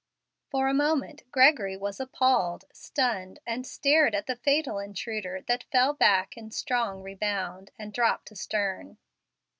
For a moment Gregory was appalled, stunned; and stared at the fatal intruder that fell back in strong rebound, and dropped astern.